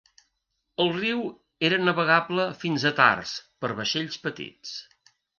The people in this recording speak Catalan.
El riu era navegable fins a Tars per vaixells petits.